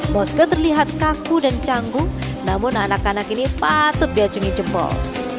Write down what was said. mosket terlihat kaku dan canggung namun anak anak ini patut diacungi jempol